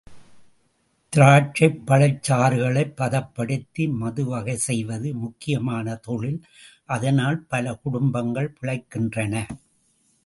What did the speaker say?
திராட்சைப் பழச் சாறுகளைப் பதப்படுத்தி மதுவகை செய்வது முக்கியமான தொழில் அதனால் பல குடும்பங்கள் பிழைக்கின்றன.